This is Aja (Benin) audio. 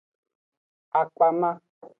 Akpama.